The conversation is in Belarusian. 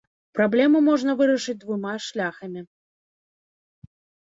Праблему можна вырашыць двума шляхамі.